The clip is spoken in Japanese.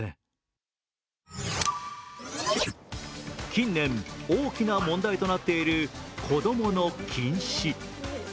近年、大きな問題となっている子供の近視。